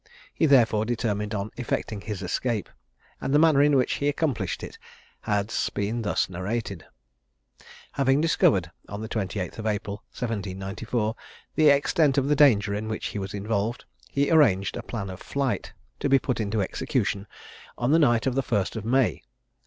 He therefore determined on effecting his escape; and the manner in which he accomplished it has been thus narrated: Having discovered, on the 28th of April 1794, the extent of the danger in which he was involved, he arranged a plan of flight, to be put into execution on the night of the 1st of May.